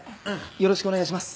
よろしくお願いします。